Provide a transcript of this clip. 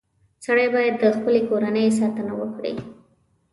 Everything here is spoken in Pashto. • سړی باید د خپلې کورنۍ ساتنه وکړي.